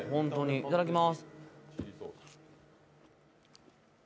いただきます。